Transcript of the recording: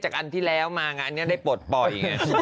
จากอันที่แล้วมางานอย่าได้เปิดปล่อย